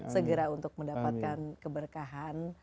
segera untuk mendapatkan keberkahan